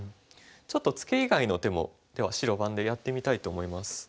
ちょっとツケ以外の手もでは白番でやってみたいと思います。